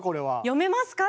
読めますか？